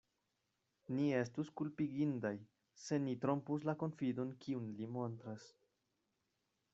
Ni estus kulpigindaj, se ni trompus la konfidon, kiun li montras.